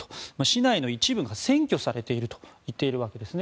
市内の一部が占拠されていると言っているわけです。